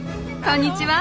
こんにちは。